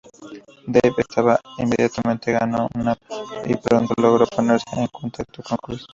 Dave estaba inmediatamente ganó una y pronto logró ponerse en contacto con Chris.